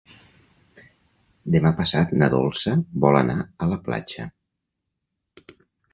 Demà passat na Dolça vol anar a la platja.